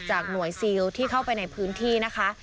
หน่วยซิลที่เข้าไปในพื้นที่นะคะ